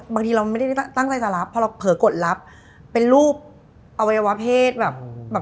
บางทีเราไม่ได้ตั้งใจจะรับเพราะเราเผลอกดรับเป็นรูปอวัยวะเพศแบบ